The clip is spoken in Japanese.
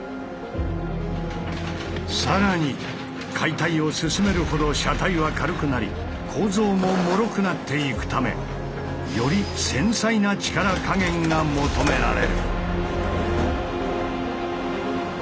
更に解体を進めるほど車体は軽くなり構造ももろくなっていくためより繊細な力加減が求められる。